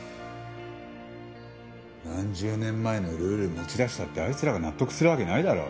何十年前のルール持ち出したってあいつらが納得するわけないだろ。